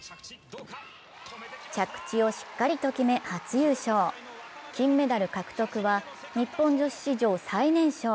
着地をしっかりと決め初優勝、金メダル獲得は日本女子史上最年少。